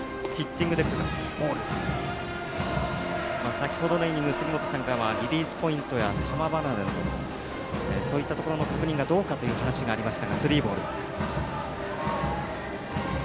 先ほどのイニング杉本さんからはリリースポイントや球離れなどのそういったところの確認がどうかという話がありました。